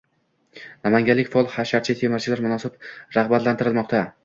Namanganlik faol hasharchi-terimchilar munosib rag‘batlantirilmoqda